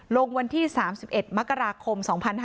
วันที่๓๑มกราคม๒๕๕๙